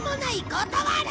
断る！